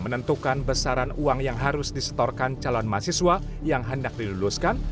menentukan besaran uang yang harus disetorkan calon mahasiswa yang hendak diluluskan